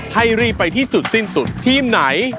ให้รีบไปที่จุดสิ้นสุดทีมไหน